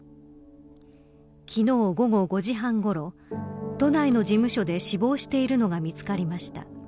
昨日午後５時半ごろ都内の事務所で死亡しているのが見つかりました。